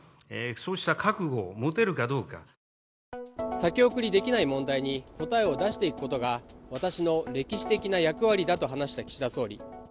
先送りできない問題に答えを出していくことが私の歴史的な役割だと話した岸田総理。